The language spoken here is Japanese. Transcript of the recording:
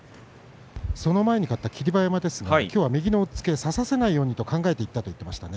その前に勝った霧馬山ですがきょうは右の押っつけ差させないようにしたと考えていました。